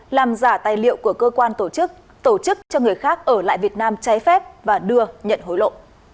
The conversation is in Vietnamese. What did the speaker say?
làm giả tài liệu của cơ quan tổ chức tổ chức cho người khác ở lại việt nam trái phép và đưa nhận hối lộ